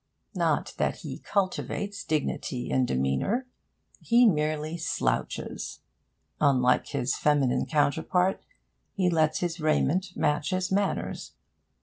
Not that he cultivates dignity in demeanour. He merely slouches. Unlike his feminine counterpart, he lets his raiment match his manners.